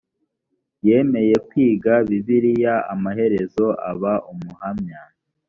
yemeye kwiga bibiliya amaherezo aba umuhamya